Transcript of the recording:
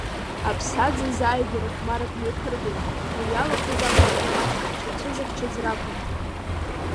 Аԥсаӡ азааигәара хәмаррак мҩаԥыргон, уи иалахәыз акәашара маҷк зҽацәызыхьчаз ракәын.